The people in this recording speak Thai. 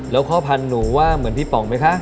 แล้วพ่อพันธุ์หนูว่าเหมือนพี่ป๋องไหมคะ